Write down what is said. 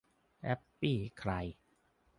แฮปปี้ใคร